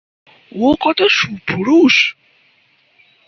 ও কত সুপুরুষ!